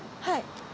はい。